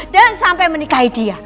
dan sampai menikahi dia